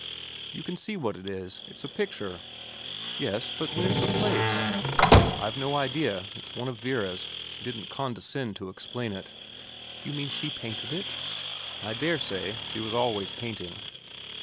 ' You can see what it is. It's a picture.' ' Yes. But where's the place ?' xxni VERA 257 ' I've no idea. It's one of Vera's. She didn't condescend to explain it.' ' You mean she painted it ?'' I daresay. She was always painting.'